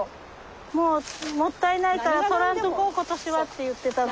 もうもったいないから採らんとこう今年はって言ってたの。